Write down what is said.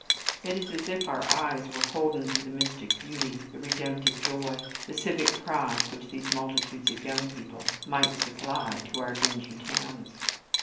It is as if our eyes were holden to the mystic beauty, the redemptive joy, the civic pride which these multitudes of young people might supply to our dingy towns.